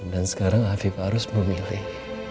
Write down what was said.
dan sekarang afif harus memilih